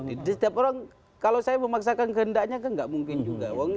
jadi setiap orang kalau saya memaksakan kehendaknya kan gak mungkin juga